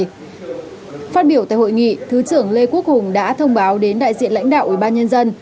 phát biểu tại hội nghị thứ trưởng lê quốc hùng đã thông báo đến đại diện lãnh đạo ủy ban nhân dân